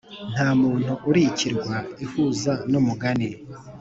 ntamuntu uri ikirwa ihuza numugani